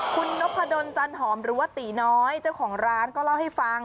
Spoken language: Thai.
คุณนพดลจันหอมหรือว่าตีน้อยเจ้าของร้านก็เล่าให้ฟัง